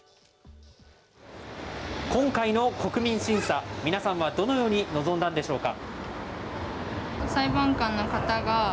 今回の国民審査、皆さんはどのように臨んだんでしょうか。